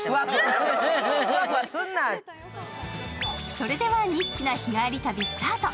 それではニッチな日帰り旅スタート。